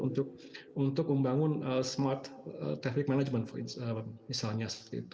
untuk membangun smart technic management misalnya